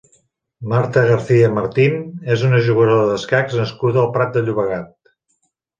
Marta García Martín és una jugadora d'escacs nascuda al Prat de Llobregat.